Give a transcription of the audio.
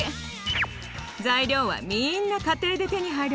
材料はみんな家庭で手に入るものでＯＫ。